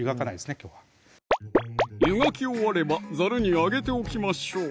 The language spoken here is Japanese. きょうは湯がき終わればざるにあげておきましょう